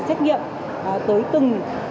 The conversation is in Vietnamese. xét nghiệm tới từng